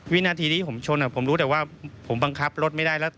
วินาทีที่ผมชนผมรู้แต่ว่าผมบังคับรถไม่ได้แล้ว